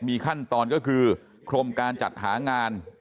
มีขั้นตอนก็คือโครงการจัดหางาน